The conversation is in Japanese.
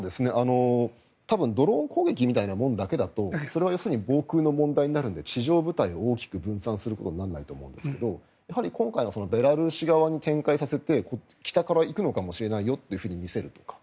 ドローン攻撃みたいなものだけだとそれは防空の問題になるので地上部隊を大きく分散することにならないと思うんですけどやはり今回ベラルーシ側に展開させて北から行くのかもしれないよと見せるとか。